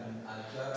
di ruang sidang